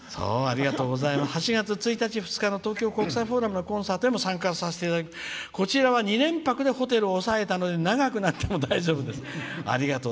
８月１日、２日東京国際フォーラムのコンサートも参加させていただいてこちらは２連泊でホテルを押さえたので長くなっても大丈夫」と。